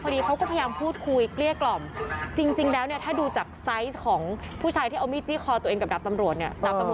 เขาก็พยายามพูดคุยเกลี้ยกล่อมจริงแล้วเนี่ยถ้าดูจากไซส์ของผู้ชายที่เอามีดจี้คอตัวเองกับดาบตำรวจเนี่ย